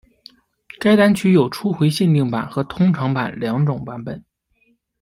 该单曲有初回限定版和通常版两种版本。